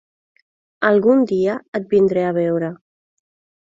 Algun dia et vindré a veure.